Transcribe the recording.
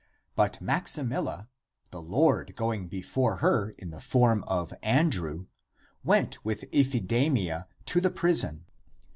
But Maximilla, the Lord going before her in the form of Andrew, went with Iphidamia to the prison.